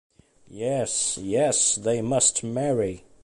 Yes, yes, they must marry.